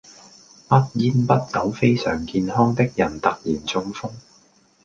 不煙不酒非常健康的人突然中風